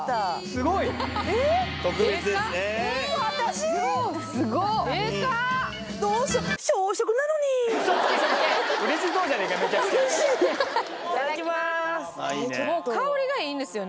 すごいよ。